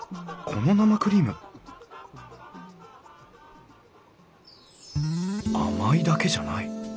この生クリーム甘いだけじゃない。